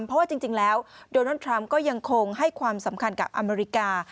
เพราะว่าจริงแล้วโดนัลด์ทรัมป์ก็ยังคงให้ความสำคัญกับอเมริกา